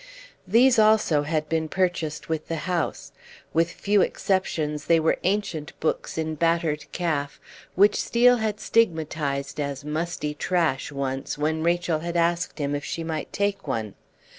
These also had been purchased with the house. With few exceptions, they were ancient books in battered calf, which Steel had stigmatized as "musty trash" once when Rachel had asked him if she might take one.